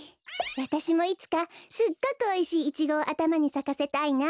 わたしもいつかすっごくおいしいイチゴをあたまにさかせたいな。